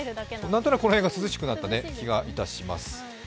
なんとなくこの辺が涼しくなった気がいたします。